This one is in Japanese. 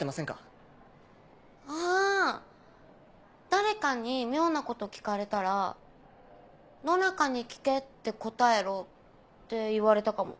「誰かに妙なこと聞かれたら『野中に聞け』って答えろ」って言われたかも。